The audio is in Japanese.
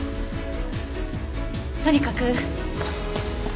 とにかく。